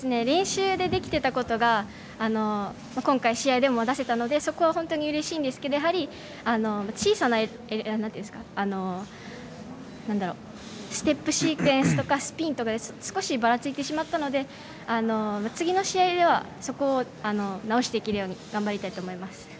練習でできていたことが今回、試合でも出せたので、そこは本当にうれしいんですけどやはり、小さなステップシークエンスとかスピンとかで少しばらついてしまったので次の試合ではそこを直していけるように頑張りたいと思います。